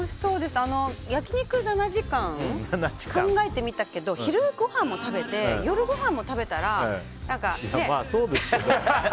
焼き肉７時間考えてみたけど昼ごはんも食べて夜ごはんも食べたらね。